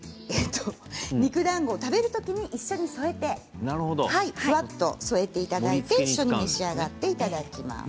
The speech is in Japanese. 肉だんごを食べる時に一緒に添えてふわっと添えていただいて一緒に召し上がっていただきます。